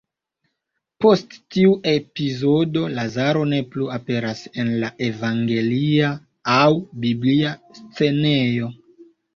Post tiu epizodo, Lazaro ne plu aperas en la evangelia aŭ biblia scenejo.